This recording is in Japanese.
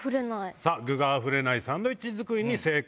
さあ、具があふれないサンドイッチ作りに成功。